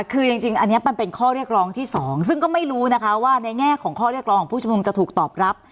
คือจริงอันนี้มันเป็นข้อเรียกร้องที่๒ซึ่งก็ไม่รู้นะคะว่าในแง่ของข้อเรียกร้องของผู้ชุมนุมจะถูกตอบรับ